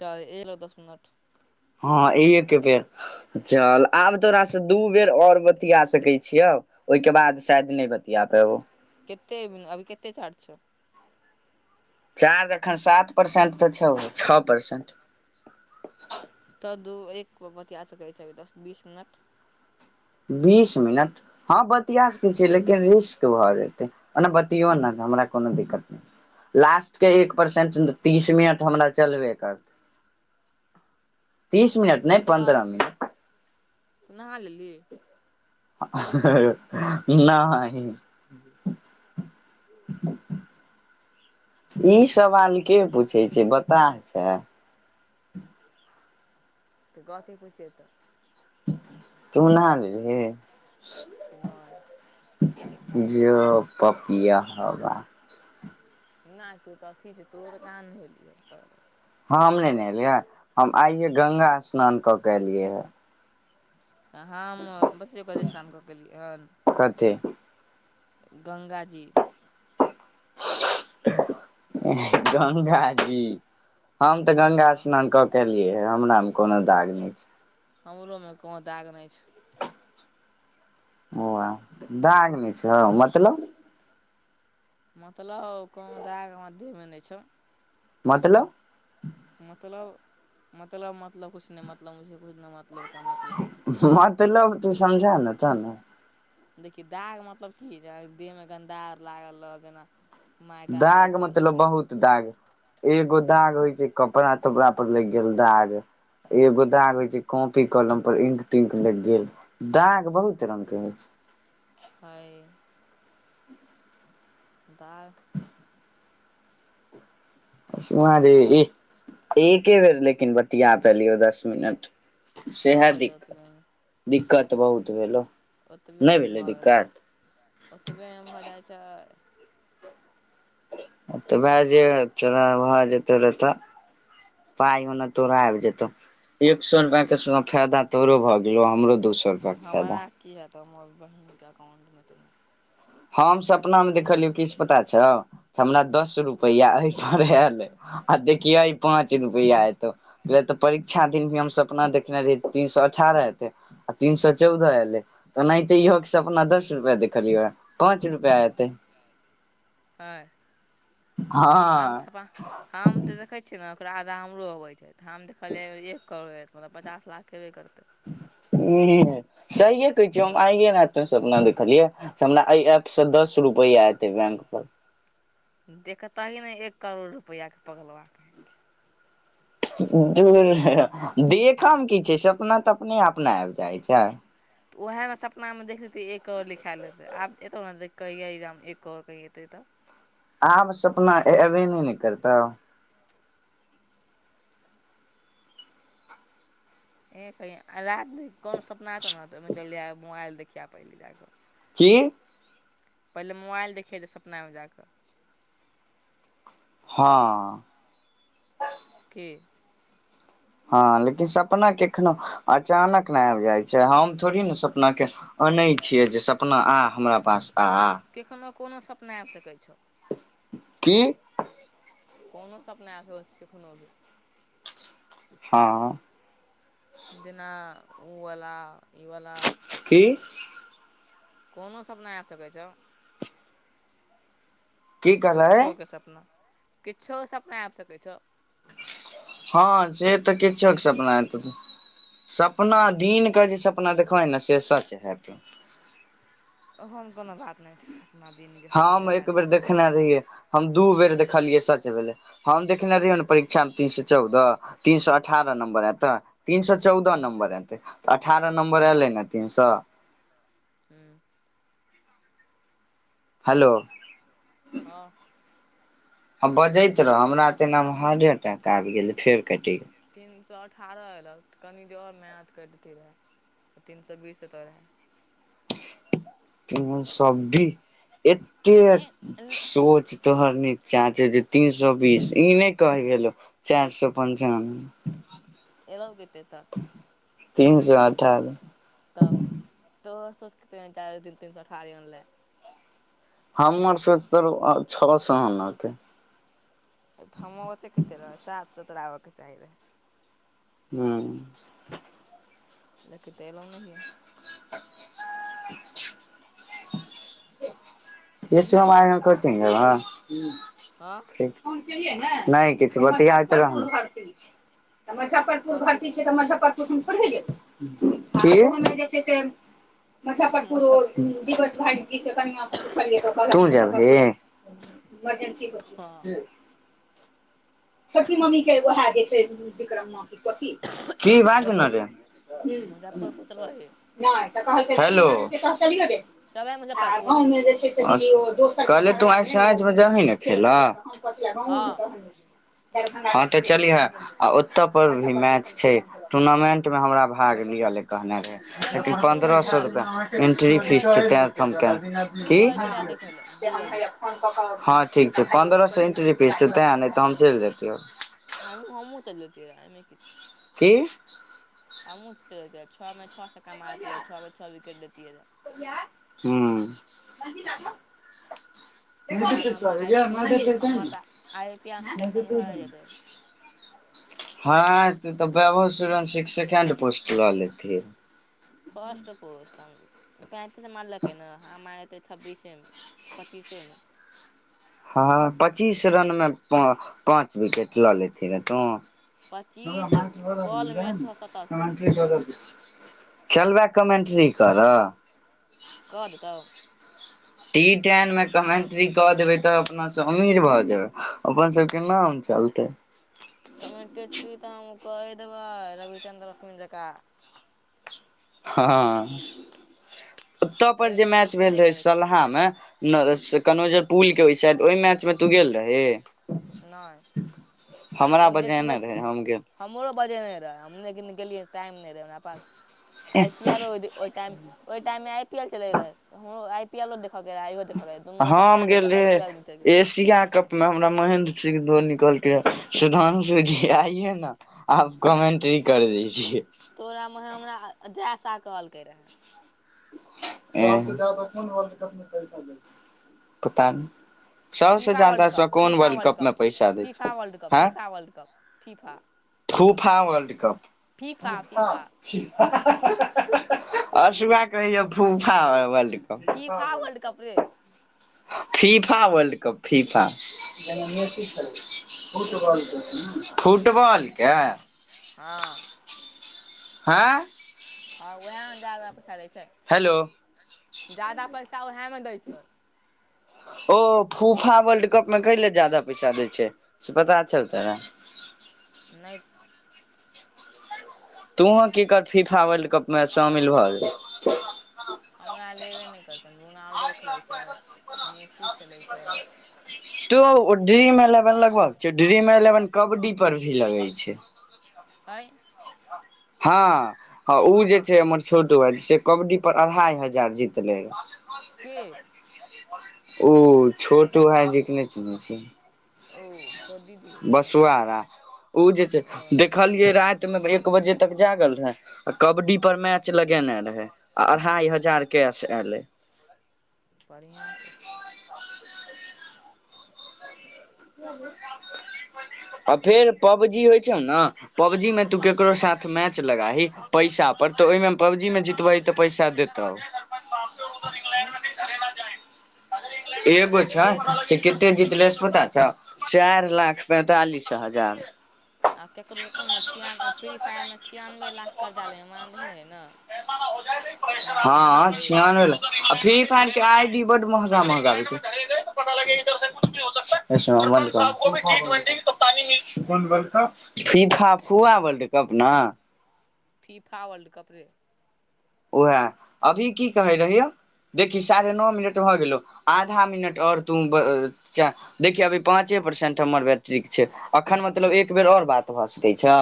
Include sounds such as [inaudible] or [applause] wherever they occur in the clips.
च एलो दस मिनट र चल आब तो से दू बेर ओर बतिया सकै छियौ ओहिके बाद शायद नहि बतिया पे वौ कतेक अभी कतेक चार्ज छउ चार्ज एखन सात परसेंट तऽ छौ छ परसेंट दू एक बतिया सकै छै दस बीस मिनट बीस मिनट हाँ बतिया सकै छीयै लेकिन रिस्क भऽ जेतै ओना बतियो ने हमरा कोनो दिक्कत नहि लास्टके एक परसेंट तीस मिनट हमरा चलबे करतै तीस तऽ मिनट एखन नहि तो पन्द्रह मिनट नहा लेली नहि [unintelligible] ई सवाल के पूछै छै बताह छै तऽ कथि पुछियै तऽ तू नहा लेलही नए जो पपियाहबा नहि तू तऽ अथी छै तुहो कहाँ नहेलियै तऽ हाँ हम नहिएलियै हम आइये गंगा स्नान कऽ केऽ एलियै हे हम बच्चे क अदेशाम कऽ केलियै हन कथी गंगाजी गंगाजी हम तऽ हँ गंगा स्नान कऽ के एलियै हे हमरा मे कोनो दाग नहि छै हमरोमे को दाग नहि छै ओ दाग नहि छौ मतलब मतलब कहु दाग हमरा देहमे नहि छौ मतलब मतलब मतलब मतलब कुछ नहि मतलब कुछ नहि मतलब का मतलब मतलब तु समझा ने त ने देखहि दाग मतलब की देहमे गन्दा आर लागल रहल जेना माटि आर लागि दाग गेल मतलब ओहिके तऽ बहुत दाग एगो दाग होय कपड़ा तपड़ा पर लग गेल दाग एगो दाग होइ छै कॉपी कलम पर इंक तिंक लग गेल दाग बहुत रंग के होइ छै [inaudible] है दाग सु रे एके बेेर लेकिन बतिया पैलियो दस मिनट सएह भऽ गेलै दिक्कत दिक्कत बहुत भेलो ओतबे भऽ गेलै ओतबे भऽ जाइत छै तऽ भए जे त भऽ जेतै रह तऽ पाइ ओना तोरा आबि जेतौ एक सौ रुपया के फायदा तोरो भऽ गेलो हमरो दू सौ रुपया के फायदा तऽ हमर बहिनके अकाउंटमे तेना हम सपना मे देखलियौ कि पता छौ हमरा दस रुपैया एहि पर आयल आ देखिय पाँच रुपया एतौ तऽ परीक्षा कीन भी हम सपना देखने रहि तीन सौ अठारह एतै तीन सौ चौदह एलै तऽना ते इ हो सपना दस रुपआ देलिय पाँच रुपआ आयते ह हम हँ हम तऽ देखै छियै ने ओकरा आधा हमरो अबै छै तऽ हम देखलियै एक करोड़ मतलब पचास लाख हेब करतै [inaudible] ह सहिे कहै छियै हम आइे ना त अपना देखलियै हमरा एहि एप से दस रूप रूपैया आयते बैंक पर देखे तही ने एक करोड़ रुपैआके पगलवाके द देखऽमे की छै सपना त अपने अपना आबि जाइत छै तऽ उएहमे सपनामे देख लतै एक करोड़ लिखायल हेतै आब एतौ ने देख क अइहा एक करोड़ कही एतै तऽ आब सपना एबे नहि न करतऊ [inaudible] की पहिले मोबाइल देखिय जे सपनामे जा कऽ हँ [unintelligible] हँ लेकिन सपना केखनो अचानक नहि आबि जाइत छै हम थोड़ी ने सपना के अनैत छियै जे सपना आ हमरा पास आ आ आ सकय छौ की कोनो सपना आब सकय तो कानो हँ दना ओवला इवला की कोनो सपना आबि सकय छौ की कहलै कुछोके सपना किछोके सपना आबि सकै छौ हँ से तऽ किछोके सपना एतो सपना दिन कअ जे सपना देखबै ने से सच हेतय ओहन कोनो बात नहि छै अपना दिनके सोचै हम छै एक रातिके बेर सोचै देखने छै रहियै हम दू बेर देखलियै सच भेलै हम देखने रहियौ ने परीक्षा मे तीन सए चौदह तीन सए अठारह नम्बर एत तीन सए चौदह नम्बर एतैऽ अठारह नम्बर एलै ने तीन सए ह्म हेलो हँ ह बजैत रह हमरा तऽ एना मे हाडे अटैक आबि गेल फेर कटि गेल तीन सए अठारह एयलअ तऽ कनि दे आओर मेहनत करती रहै तीन सए बीस एतो रहै तों सब भी ए एत्तेक सोच तोहर नीचा छौ जे तीन सौ बीस ई नहि कहि भेलौ चारि सए पञ्चानबे एलऊ कत्ते तऽ तीन सौ अठार तब तोहर सोच कते नीचा रहौ तीन सए अठारह हे अनलए हमरा सोच तो रहो छह सौ‌ आन' के हम ओते कतेक रह साफ सुथरा आबयके चाही रहै ह्म लेकिन तऽ एलहुँ नहिए [unintelligible] [unintelligible] हँ नहि किछु बतिया त मुजफफरपुर कथी भर्ती छै तऽ मुज्फरप [unintelligible] मुजफ्फरपुर ओ मुजफ्फ दिवस भाय जी के कनिया स तू जेबहि हँ छोटकी मम्मी के उहै जे छै विक्रम्मा की बाज न रे मुजफ्फरपुर चलबही नहि तऽ कहलकै कह चलिये गेल जबै मुजफ्फरपुर कहले तू आइ साँझमे जाबही ने खेलह हँ [unintelligible] हँ तऽ चलिहे आ ओत पर भी मैच छै टूर्नामेंटमे हमरा भाग लिय कहने रहै लेकिन चलिहे दू पन्द्रह दू सए बजे रुपैआ एन्ट्री दू फीस बजे छै चलिहे तैं हम कए दू कि बजे चलियै देखय लए से दू हम बजे हैया फोन क हँ ठीक छै पन्द्रह सए एंट्री फीस छै तैं नहि तऽ हम चलि जेतियौ हमूँ हमहूँ चल जेतिय रहै एहिमे की छै की अमु त छओ छ का मारती है छओ के छओ विकेट देती है रे [unintelligible] ओके बाद हमर आई पी हमर तऽ आई पी एल सिलेक्शन भए हूँ जेतै हँ त तऽ बैभव सुर्यवंशी सेकेंड पोस्ट लऽ लैतिहीं फस्ट प पैंतीस मारलकै ने हँ मार एतै छब्बीसेमे पच्चीसेमे हँ पच्चीस रन मे पाँच विकेट लऽ लेति रो तू पच्चीस बॉलमे सए शतक [unintelligible] चलबै कमेन्ट्री कर' कऽ देतहु टी टेनमे कमेंट्री कऽ देबै तऽ अपना से अम्मीर भऽ जेबै अपन सब के नाम चलतै कमेन्टेट्री तऽ हम ओ कये देबै रविचंन्द्र अश्विन जकाँ हँ ओतय पर जे रविचन्द्र मैच अश्विन भेल नहि रहे करै छै सलहामे कनोजर पुल के ओहि साइड ओहि मैचमे तू गेल रही हमरा नहि बजेने रहे हम गेल हमरो बाजने रहए हम लेकिन गेलियै नै टाइम नहि रहै हमरा पास आई पी एलो होतै ओटाइम ओहि टाइम मे आई पी एल चले रहै हमरो आई पी देखलौं हम गेले पी एल मे चलि गेल एशिया कप मे हमरा महेन्द्र सिंह धोनी कहलकैया सुधांशु जी आइये न आप कमेन्ट्री कर दीजिये तऽ तोरामे हमरा जय शाह कहलकै रहए कोनर कप मे पता नहि FIFA world cup FIFA world cup पैसा दै छै फीफा वर्ल्ड कप हँ फिफा वर्ल्ड कप फीफा फूफा वर्ल्ड कप फीफा फीफा कहैय यो फूफाल फीफा वर्लड कप रे फीफा वर्ल्ड कप फीफा फुटबॉलके फुटबॉलके हँ हँ हँ उएह ने जादा पैसा दै छै हेलो जादा पैसा उएहे मे दैय छै ओ फूफा वर्ल्ड कप में कैले जादा पैसा देै छै से पता छौ तोरा [unintelligible] नहि तोहु किकर फिफा वर्ल्ड कप मे शामिल भऽ गेल हमरा लेबे नहि करतै रोनाल्डो खेलैत छै मेसी खेलैत छै तो ओ ड्रीम एलेवन लगभग छै ड्रीम एलेवन कबड्डी पर भी लगै छै आय हां हँ ओ जे छै हमर छोटु भाय से कबड्डी पर अढ़ाई हजार जीतलै के ओ छोटु भायजी के नहि चिन्है छिही प्र बसुआरा ओ जे छै ओ देखलियै राति मे एक बजे तक जागल कबड्डी पर मैच लगेने रहे आ अढ़ाई हजार कैश एले [unintelligible] बढ़िआँ छै आ फेर पब जी होइ छौ ना पबजी में तू हूँ केकरो साथ मैच लगाही पैसा पर तऽ ओहिमे पबजी मे जीतबहि तऽ पैसा देतौ आ एगो छै रे तऽ से केते जीतलै से पता चार कते लाख पैंतालिस हजार आब केकरो केकरो मे छियान फ्री फायर मे छियानबे लाख कर्जा लै माम [unintelligible] देखने रहे ने मोबाइल मे देखने हँ रही छियानवे भेल आ [unintelligible] आइडी बड्ड महगा महगा होइ छै पता लगे इधर से कुछ भ हो सकी कानी म फिफा फुआ बर्ल्ड कप ना फीफा वर्ल्ड कप रे उएह अभी की कहै रहियौ देखि साढ़े नओ मिनट भऽ गेलौ आधा मिनट आओर तू देखिहि अभी पाँचे परसेंट हमर बैटरीक छै अखन मतलब एक बेर आओर बात भऽ सकै छौ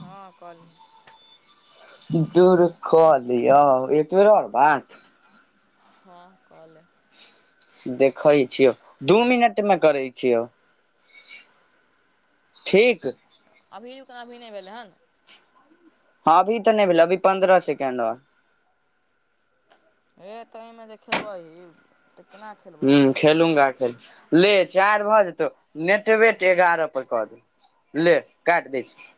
हँ कहली दुर कऽलिऔ एकबेर और बात हँ कऽले देखैइ छियौ दू मिनटमे करै छियौ ठीक अभीकना अभी नइ भेलै हन अभी तऽ नहि भेल अभी पन्द्रह सेकेंड औ ए तऽमे खेलबहि हूं खेलूंगा ले चार भऽ जेतौ नेटवेट एगारह पर कऽ दे ले काट दै छी।